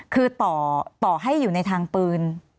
คือต่อให้อยู่ในทางปืน